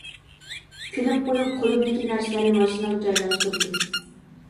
كۈلۈپ قويۇپ قولۇمدىكى نەرسىلەرنى ماشىنىغا جايلاشتۇردۇم.